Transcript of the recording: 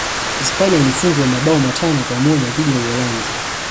hispania ilifungwa mabao matano kwa moja dhidi ya uholanzi